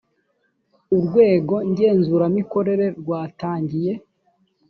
urwego ngenzuramikorere rwatangiye